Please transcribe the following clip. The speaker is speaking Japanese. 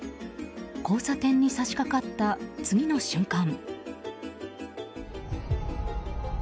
交差点に差し掛かった次の瞬間。